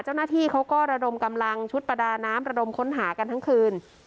เจ้าหน้าที่เขาก็ระดมกำลังชุดประดาน้ำระดมค้นหากันทั้งคืน